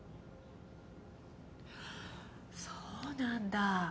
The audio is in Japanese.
はぁそうなんだ。